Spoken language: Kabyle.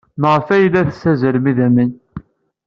Maɣef ay la tessazzal idammen?